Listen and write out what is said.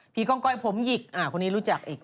ก้องก้อยผมหยิกคนนี้รู้จักอีก